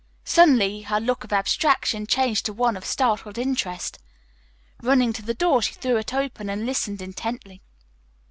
Suddenly her look of abstraction changed to one of startled interest. Running to the door she threw it open and listened intently.